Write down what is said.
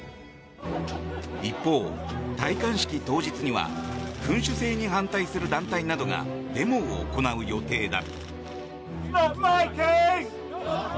一方、戴冠式当日には君主制に反対する団体などがデモを行う予定だ。